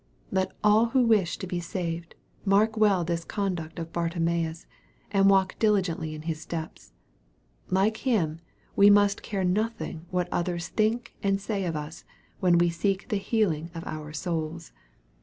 Let all who wish to be saved, mark well this conduct of Bartimaeus, and walk diligently in his steps. Like him, we must care nothing what others think and say of us, when we seek the healing of our souls.